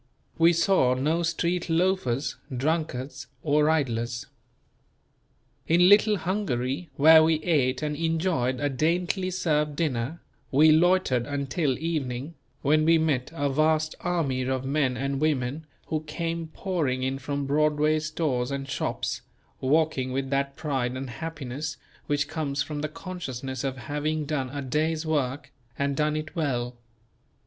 We saw no street loafers, drunkards or idlers. In "Little Hungary," where we ate and enjoyed a daintily served dinner, we loitered until evening, when we met a vast army of men and women who came pouring in from Broadway's stores and shops, walking with that pride and happiness which comes from the consciousness of having done a day's work, and done it well.